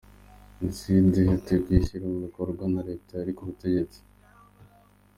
Jenoside yateguwe ishyirwa mu bikorwa na Leta yari ku butegetsi.